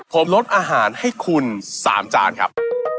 ผมลดอาหารให้คุณ๓จานครับ